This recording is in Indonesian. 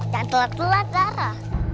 jangan telat telat zara